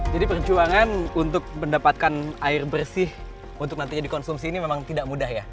jadi perjuangan untuk mendapatkan air bersih untuk nantinya dikonsumsi ini memang tidak mudah ya